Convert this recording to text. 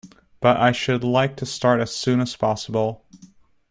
But I should like to start as soon as possible.